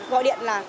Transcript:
gọi điện là